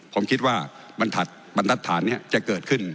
ผมคิดว่าบรรทัศน์นี้จะเกิดขึ้น